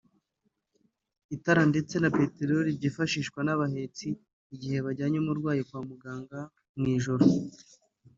itara ndetse na peterori byifashishwa n’abahetsi igihe bajyanye umurwayi kwa muganga mu ijoro